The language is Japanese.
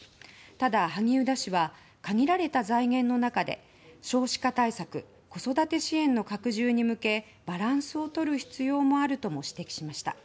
ただ萩生田氏は限られた財源の中で少子化対策子育て支援の拡充に向けバランスをとる必要もあるとも指摘しました。